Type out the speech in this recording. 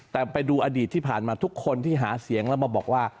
แต่ไปดูอดีตที่ผ่านมาทุกคนที่หาเสียงแล้วมาบอกว่า